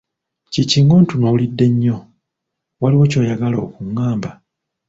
Kiki ng’ontunuulidde nnyo? Waliwo ky'oyagala okungamba?